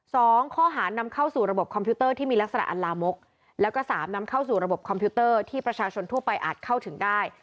สองข้อหานำเข้าสู่ระบบคอมพิวเตอร์ที่มีลักษณะอัลลามกแล้วก็สามนำเข้าสู่ระบบคอมพิวเตอร์ที่ประชาชนทั่วไปอาจเข้าถึงได้